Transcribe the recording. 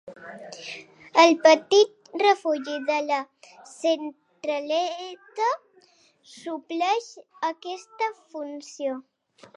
El petit Refugi de la Centraleta supleix aquesta funció.